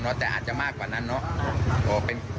คุณยายไม่ได้เอาไฟหมดเลยค่ะ